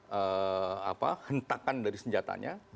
yang itu ada hentakan dari senjatanya